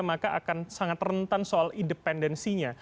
maka akan sangat rentan soal independensinya